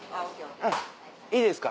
いいですか。